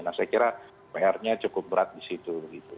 nah saya kira pr nya cukup berat di situ